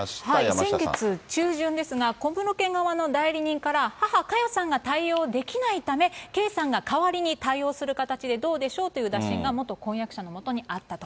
先月中旬ですが、小室家側の代理人から母、佳代さんが対応できないため、圭さんが代わりに対応する形でどうでしょうという打診が、元婚約者のもとにあったと。